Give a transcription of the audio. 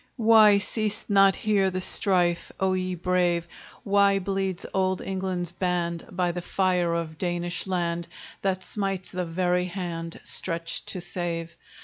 Why ceased not here the strife, O ye brave? Why bleeds old England's band, By the fire of Danish land, That smites the very hand Stretched to save?